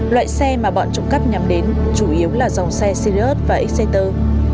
loại xe mà bọn trộm cắp nhắm đến chủ yếu là dòng xe sirius và exciter